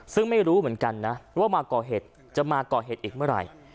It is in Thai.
ซึ่งไม่รู้เหมือนกันนะว่ามาก่อเหตุจะมาก่อเหตุอีกเมื่อไหร่